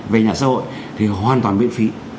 về nhà xã hội thì hoàn toàn miễn phí